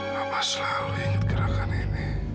papa selalu ingat gerakan ini